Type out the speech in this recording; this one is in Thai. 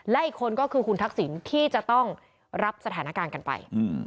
และอีกคนก็คือคุณทักษิณที่จะต้องรับสถานการณ์กันไป